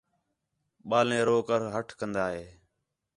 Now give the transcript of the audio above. ٻالیں رو کے ہَٹ کندا ہے